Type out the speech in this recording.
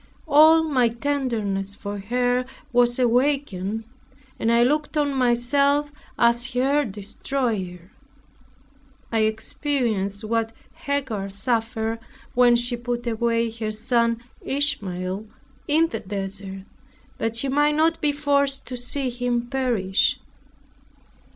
All my tenderness for her was awakened, and I looked on myself as her destroyer. I experienced what Hagar suffered when she put away her son Ishmael in the desert that she might not be forced to see him perish.